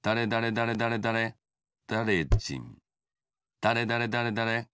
だれだれだれだれ